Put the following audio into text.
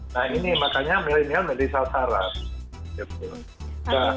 nah ini makanya milenial menjadi sasaran